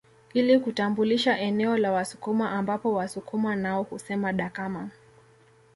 Ili kutambulisha eneo la Wasukuma ambapo Wasukuma nao husema dakama